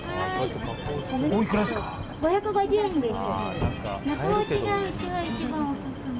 ５５０円です。